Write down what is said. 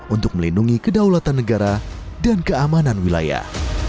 untuk melindungi kedaulatan negara dan keamanan wilayah